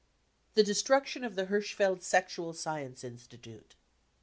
55 i The Destruction of the Hirschfeld Sexual Science In , Stitute.